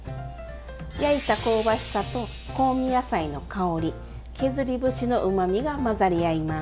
焼いた香ばしさと香味野菜の香り削り節のうまみが混ざり合います。